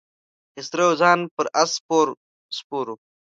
خسرو خان پر آس سپور و.